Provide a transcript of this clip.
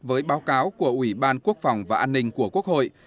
với báo cáo của ủy ban quốc phòng và an ninh của quốc hội